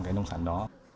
cái nông sản đó